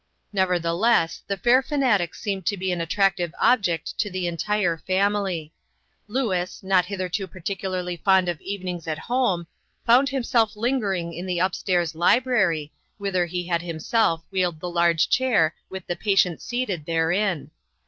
Nevertheless the fair fanatic seemed to be an attractive object to the entire family. Louis, not hitherto particularly fond of evenings at home, found himself lingering in the up stairs library, whither he had himself wheeled the large chair with the patient seated therein.